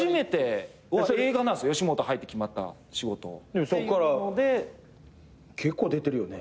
でもそっから結構出てるよね？